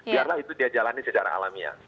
biarlah itu dia jalani secara alamiah